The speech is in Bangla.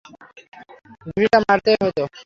ঘুষিটা মারতেই হতো।